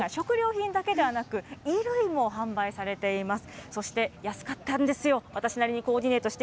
こちらの商店街、食料品だけではなく、衣類も販売されています。